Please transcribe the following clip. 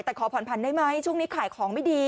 แต่ขอผ่อนผันได้ไหมช่วงนี้ขายของไม่ดี